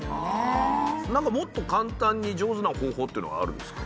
なんかもっと簡単に上手な方法っていうのはあるんですか？